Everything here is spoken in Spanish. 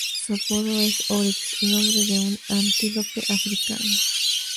Su apodo es Oryx, nombre de un antílope africano.